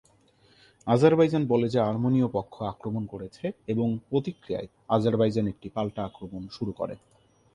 Azerbaijan বলে যে আর্মেনিয় পক্ষ আক্রমণ করেছে এবং প্রতিক্রিয়ায় আজারবাইজান একটি পাল্টা আক্রমণ শুরু করে।